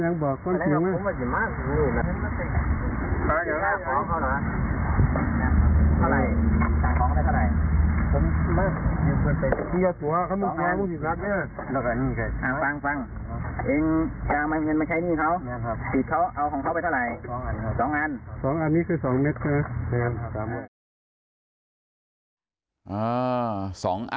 ๒อันนี้คือ๒เมตรค่ะ